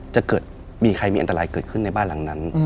จะเกิดมีใครมีอันตรายเกิดขึ้นในบ้านหลังนั้น